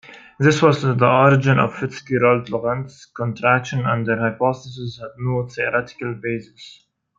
This was the origin of FitzGerald-Lorentz contraction, and their hypothesis had no theoretical basis.